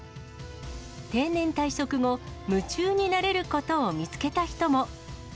定年退職後、夢中になれることを見つけた人も。